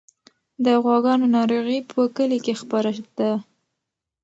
د غواګانو ناروغي په کلي کې خپره ده.